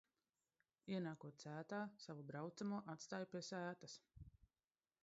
Ienākot sētā, savu braucamo atstāju pie sētas.